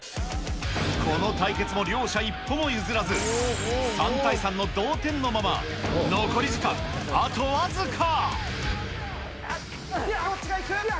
この対決も両者一歩も譲らず、３対３の同点のまま、残り時間あと僅か。